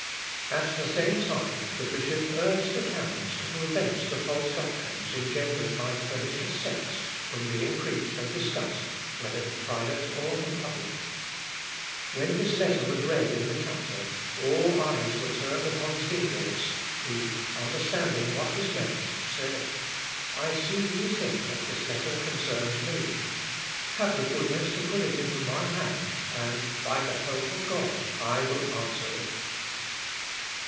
" At the same time the bishop urged the canons to prevent the false doctrines engendered by pernicious sects from being preached and discussed, whether in private or in public. When this letter was read in the chapter, all eyes were turned upon Zuinglius, who, understanding what was meant, said, "I see you think that this letter concerns me; have the goodness to put it into my hand, and by the help of God I will answer it." Nemo vos filios ecclesiæ de ecclesia tollat. [Sidenote: THE BISHOP ADDRESSES THE DIET.